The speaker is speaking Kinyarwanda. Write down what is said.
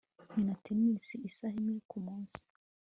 nkina tennis isaha imwe kumunsi